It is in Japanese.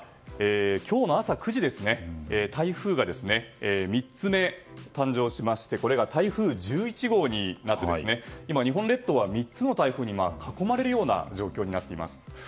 今日の朝９時台風が３つ目、誕生しましてこれが台風１１号になって日本列島は３つの台風に囲まれるような状況になっています。